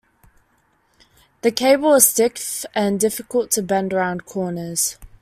The cable is stiff and difficult to bend around corners.